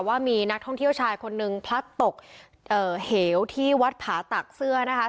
ว่ามีนักท่องเที่ยวชายคนนึงพลัดตกเหวที่วัดผาตักเสื้อนะคะ